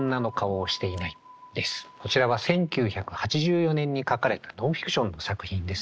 こちらは１９８４年に書かれたノンフィクションの作品ですね。